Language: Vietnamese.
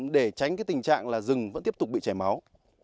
để tránh tình trạng rừng vẫn tiếp tục bị chảy máu